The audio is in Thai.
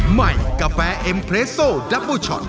ใหม่กาแฟเอ็มเรสโซดับเบอร์ช็อต